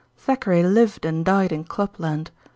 Thackeray lived and died in Clubland.